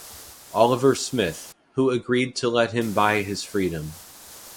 Oliver Smith, who agreed to let him buy his freedom.